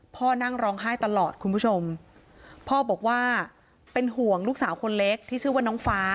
พ่อนั่งร้องไห้ตลอดคุณผู้ชมพ่อบอกว่าเป็นห่วงลูกสาวคนเล็กที่ชื่อว่าน้องฟ้า